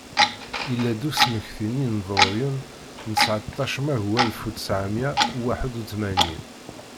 Yella-d usmekti n yineḍruyen n tesɛeṭac maggu alef utsɛemya uwaḥed utmanyin.